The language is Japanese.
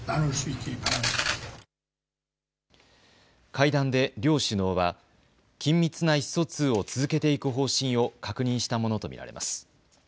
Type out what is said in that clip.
会談で両首脳は緊密な意思疎通を続けていく方針を確認したものと見られます。